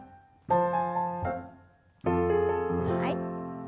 はい。